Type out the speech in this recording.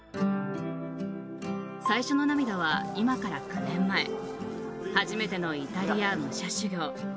最初の涙は、今から９年前初めてのイタリア武者修行。